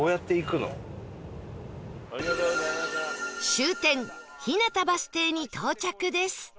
終点日向バス停に到着です